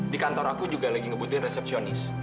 di kantor aku juga lagi ngebutin resepsionis